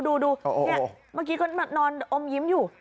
เมื่อกี้ก็นอนอมยิ้มอยู่